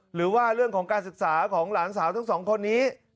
หรือว่าเรื่องของการศึกษาของหลานสาวทั้งสองคนนี้